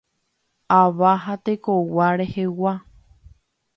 Ava ha tekogua rehegua.